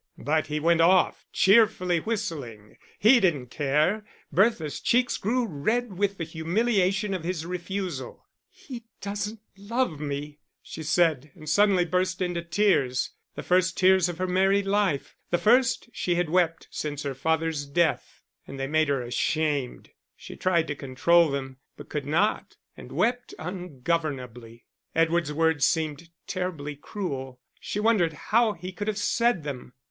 But he went off, cheerfully whistling. He didn't care. Bertha's cheeks grew red with the humiliation of his refusal. "He doesn't love me," she said, and suddenly burst into tears the first tears of her married life, the first she had wept since her father's death; and they made her ashamed. She tried to control them, but could not and wept ungovernably. Edward's words seemed terribly cruel; she wondered how he could have said them.